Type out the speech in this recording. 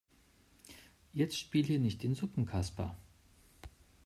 Jetzt spiel hier nicht den Suppenkasper.